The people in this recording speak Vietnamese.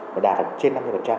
đạt được trên năm mươi